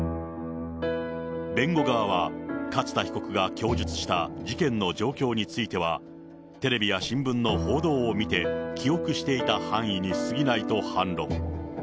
弁護側は、勝田被告が供述した事件の状況については、テレビや新聞の報道を見て、記憶していた範囲にすぎないと反論。